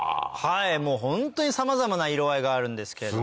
もうホントにさまざまな色合いがあるんですけれども。